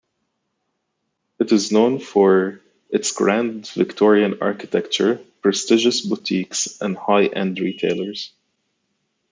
It is known for its grand Victorian architecture, prestigious boutiques and high-end retailers.